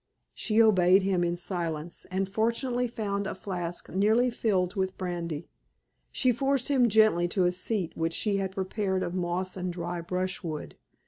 She obeyed him in silence, and fortunately found a flask nearly filled with brandy. She forced him gently to a seat which she had prepared of moss and dry brushwood.